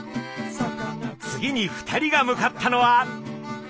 次に２人が向かったのは。